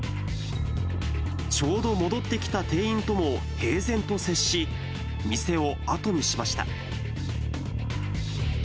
ちょうど戻ってきた店員とも平然と接し、店を後にしました。